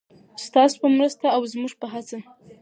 ستاسو په مرسته او زموږ په هڅه.